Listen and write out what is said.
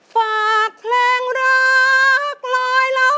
ฝากแรงรักลอยล้อง